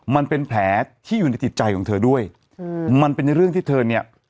มันเป็นแผลที่อยู่ในจิตใจของเธอด้วยอืมมันเป็นเรื่องที่เธอเนี่ย